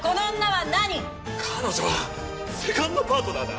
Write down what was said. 彼女はセカンドパートナーだ。